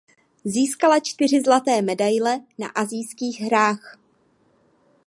Získala čtyři zlaté medaile na Asijských hrách.